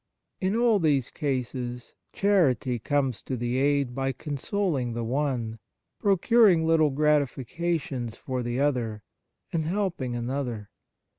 In all these cases charity comes to the aid by consoling the one, procuring little gratifi cations for the other, and helping another.